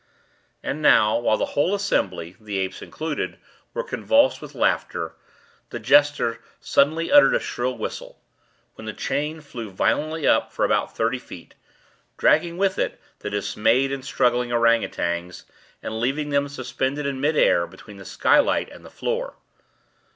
And now, while the whole assembly (the apes included) were convulsed with laughter, the jester suddenly uttered a shrill whistle; when the chain flew violently up for about thirty feet—dragging with it the dismayed and struggling ourang outangs, and leaving them suspended in mid air between the sky light and the floor.